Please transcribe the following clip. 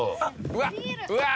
うわっ！